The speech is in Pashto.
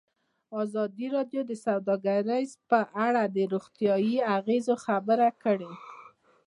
ازادي راډیو د سوداګري په اړه د روغتیایي اغېزو خبره کړې.